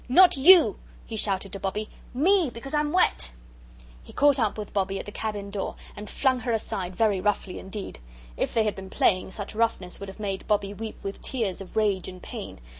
"Not you!" he shouted to Bobbie; "ME, because I'm wet." He caught up with Bobbie at the cabin door, and flung her aside very roughly indeed; if they had been playing, such roughness would have made Bobbie weep with tears of rage and pain.